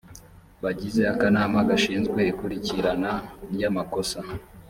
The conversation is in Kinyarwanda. bagize akanama gashinzwe ikurikirana ry amakosa